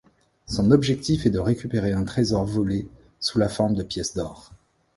Son objectif est de récupérer un trésor volé sous la forme de pièces d'or.